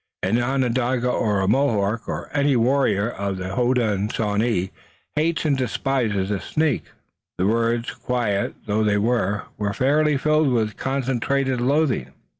An Onondaga or a Mohawk or any warrior of the Hodenosaunee hates and despises a snake." The words, quiet though they were, were fairly filled with concentrated loathing.